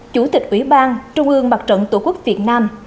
chủ tịch ủy ban trung ương mặt trận tổ quốc việt nam